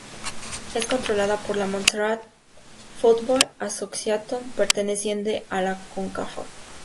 Es controlada por la "Montserrat Football Association", perteneciente a la Concacaf.